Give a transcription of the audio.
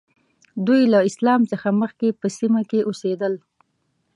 دوی له اسلام څخه مخکې په سیمه کې اوسېدل.